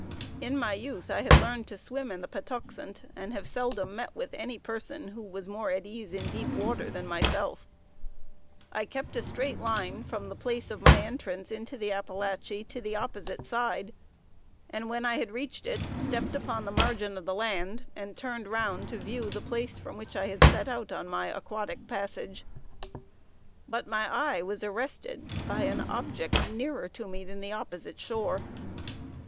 In my youth I had learned to swim in the Patuxent, and have seldom met with any person who was more at ease in deep water than myself. I kept a straight line from the place of my entrance into the Appalachie, to the opposite side, and when I had reached it, stepped on the margin of the land, and turned round to view the place from which I had set out on my aquatic passage; but my eye was arrested by an object nearer to me than the opposite shore.